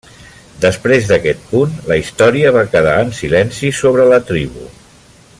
Després d'aquest punt, la història va quedar en silenci sobre la tribu.